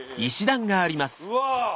うわ。